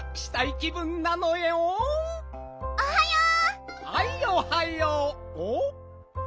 おはよう。